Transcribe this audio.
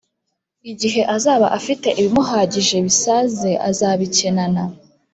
igihe azaba afite ibimuhagije bisāze azabikenana